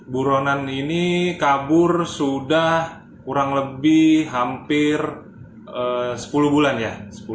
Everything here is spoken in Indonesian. buronan ini kabur sudah kurang lebih hampir sepuluh bulan ya